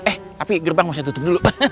eh tapi gerbang mesti tutup dulu